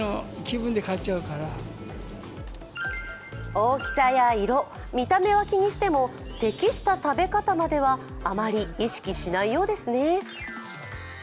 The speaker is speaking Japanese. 大きさや色、見た目は気にしても適した食べ方まではあまり意識しないようですね。